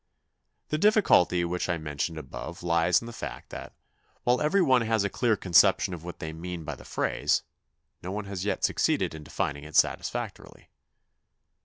The difficulty which I mentioned above lies in the fact that, while every one has a clear concep tion of what they mean by the phrase, no one 230 THE BIOGRAPHY OF A SUPERMAN has yet succeeded in defining it satisfactorily.